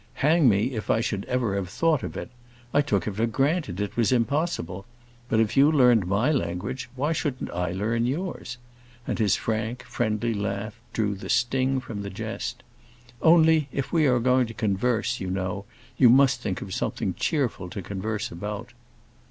"Hang me if I should ever have thought of it! I took for granted it was impossible. But if you learned my language, why shouldn't I learn yours?" and his frank, friendly laugh drew the sting from the jest. "Only, if we are going to converse, you know, you must think of something cheerful to converse about."